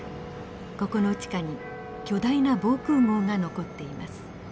ここの地下に巨大な防空壕が残っています。